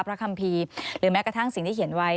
คัมภีร์หรือแม้กระทั่งสิ่งที่เขียนไว้